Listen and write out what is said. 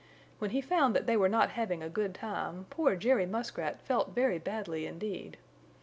When he found that they were not having a good time, poor Jerry Muskrat felt very badly indeed.